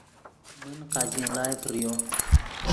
من قاچین ڑائے فریو